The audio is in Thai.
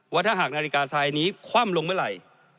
ว่าถ้าหากนาฬิกาทรายนี้คว่ำลงเวลา